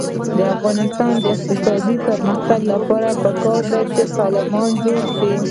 د افغانستان د اقتصادي پرمختګ لپاره پکار ده چې فلمونه جوړ شي.